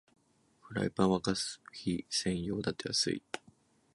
フライパンはガス火専用だと安い